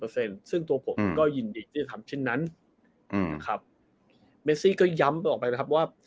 เปอร์เซ็นต์ซึ่งตัวผมก็ยินดีที่จะทำเช่นนั้นอืมครับเมซิก็ย้ำไปออกไปนะครับว่า